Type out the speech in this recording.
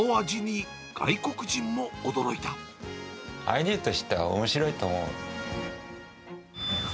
アイデアとしてはおもしろいと思う。